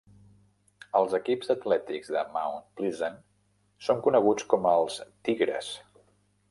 Els equips atlètics de Mount Pleasant són coneguts com els "Tigres".